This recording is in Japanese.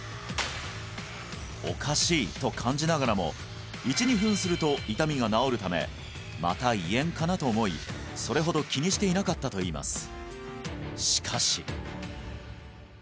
おかしいと感じながらも１２分すると痛みが治るためまた胃炎かなと思いそれほど気にしていなかったといいます